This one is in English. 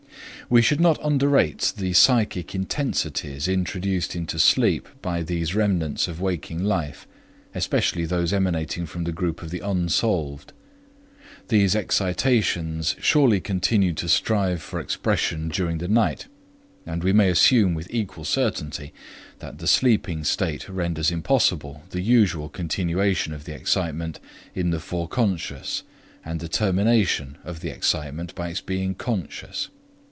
We should not underrate the psychic intensities introduced into sleep by these remnants of waking life, especially those emanating from the group of the unsolved. These excitations surely continue to strive for expression during the night, and we may assume with equal certainty that the sleeping state renders impossible the usual continuation of the excitement in the foreconscious and the termination of the excitement by its becoming conscious.